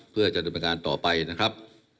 เพื่อจะดำเนินการต่อไปนะครับ